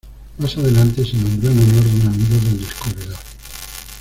Más adelante se nombró en honor de un amigo del descubridor.